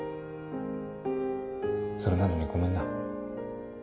それなのにごめんな。